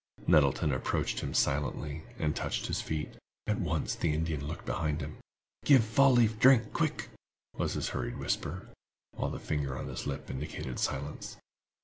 Nettleton approached him silently, and touched his feet. At once the Indian looked behind him. "Give Fall leaf drink—quick!" was his hurried whisper, while the finger on his lip indicated silence.